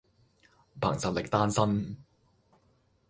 憑實力單身